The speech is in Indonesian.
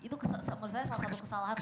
itu menurut saya salah satu kesalahan